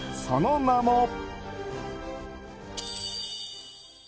その名も。